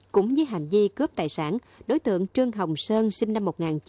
cũng như hành vi cướp tài sản đối tượng trương hồng sơn sinh năm một nghìn chín trăm chín mươi bốn